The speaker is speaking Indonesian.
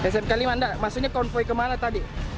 smk lima maksudnya konvoy ke mana tadi